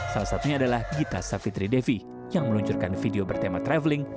salah satunya adalah gita savitri devi yang meluncurkan video bertema traveling